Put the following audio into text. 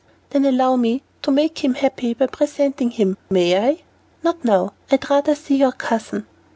"Then allow me to make him happy by presenting him, may I?" "Not now. I'd rather see your cousin."